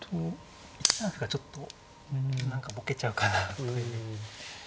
１三歩がちょっと何かぼけちゃうかなという。